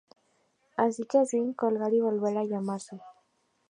Así que deciden colgar y volver a llamarse.